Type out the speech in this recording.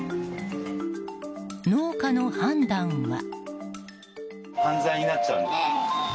農家の判断は。